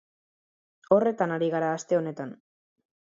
Horretan ari gara aste honetan.